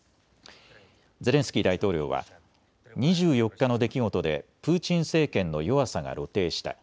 ゼレンスキー大統領は２４日の出来事でプーチン政権の弱さが露呈した。